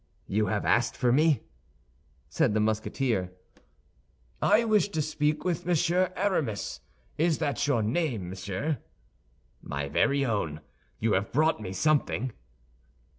"You have asked for me?" said the Musketeer. "I wish to speak with Monsieur Aramis. Is that your name, monsieur?" "My very own. You have brought me something?"